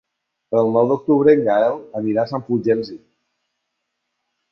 El nou d'octubre en Gaël anirà a Sant Fulgenci.